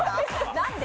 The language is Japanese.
何で？